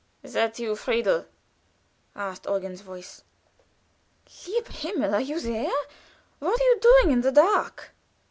"Is that you, Friedhelm?" asked Eugen's voice. "Lieber Himmel! Are you there? What are you doing in the dark?"